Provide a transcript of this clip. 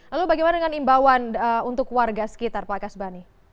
lalu bagaimana dengan imbauan untuk warga sekitar pak kasbani